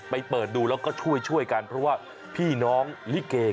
เปิดดูแล้วก็ช่วยช่วยกันเพราะว่าพี่น้องลิเก